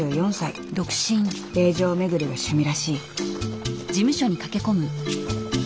霊場巡りが趣味らしい。